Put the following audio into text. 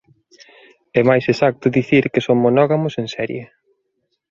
É máis exacto dicir que son monógamos en serie.